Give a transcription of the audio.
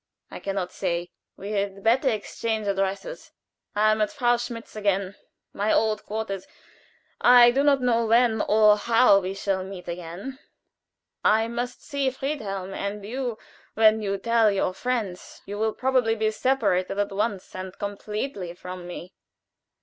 "I can not say. We had better exchange addresses. I am at Frau Schmidt's again my old quarters. I do not know when or how we shall meet again. I must see Friedhelm, and you when you tell your friends, you will probably be separated at once and completely from me."